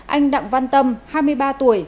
anh đặng văn tâm hai mươi ba tuổi